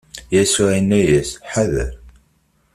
Yasuɛ inna-as: Ḥader!